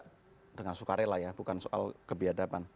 semua harusnya membayar pajak dengan suka rela ya bukan soal keberadaban